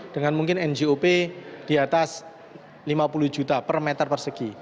dengan mungkin ngop di atas lima puluh juta per meter persegi